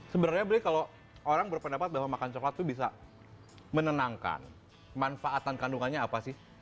sebenarnya berarti kalau orang berpendapat bahwa makan coklat itu bisa menenangkan manfaatan kandungannya apa sih